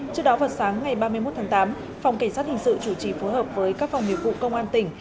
trước đó vào sáng ngày ba mươi một tháng tám phòng cảnh sát hình sự chủ trì phối hợp với các phòng nghiệp vụ công an tỉnh